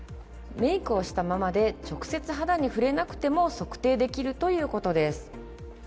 メイクをしたままで直接肌に触れなくても測定できるということです。